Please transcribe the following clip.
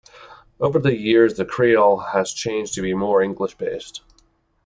Over the years the creole has changed to be more English-based.